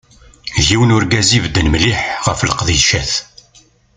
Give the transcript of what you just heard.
D yiwen n urgaz i ibedden mliḥ ɣef leqdicat.